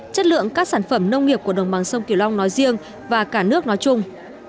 chất lượng các sản phẩm nông nghiệp của đồng bằng sông kiều long nói riêng và cả nước nói chung